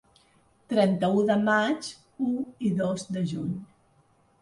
Trenta-u de maig, u i dos de juny.